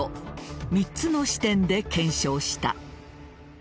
３つの視点で検証した。